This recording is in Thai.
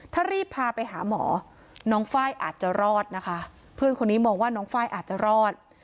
ถ้ารีบพาไปหาหมอน้องไฟล์อาจจะรอดนะคะเพื่อนคนนี้มองว่าน้องไฟล์อาจจะรอด